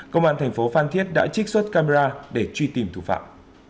công an thành phố phan thiết đã trích xuất camera để truy tìm thủ phạm